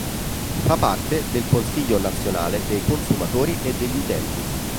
Fa parte del Consiglio nazionale dei consumatori e degli utenti.